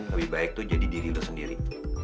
lebih baik tuh jadi diri lo sendiri